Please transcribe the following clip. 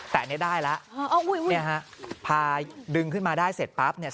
แต่เนี้ยได้แล้วอ๋ออุ้ยอุ้ยเนี้ยฮะพาดึงขึ้นมาได้เสร็จปั๊บเนี้ย